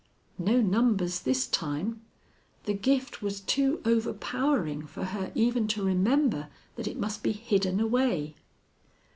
No numbers this time. The gift was too overpowering for her even to remember that it must be hidden away.